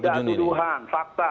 tidak tuduhan fakta